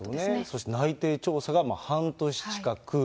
そして内定調査が半年近く。